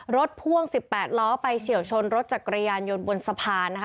พ่วง๑๘ล้อไปเฉียวชนรถจักรยานยนต์บนสะพานนะคะ